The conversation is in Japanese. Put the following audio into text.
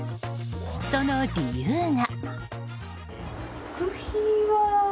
その理由が。